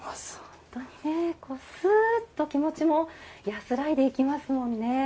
本当にねスッと気持ちも安らいでいきますもんね。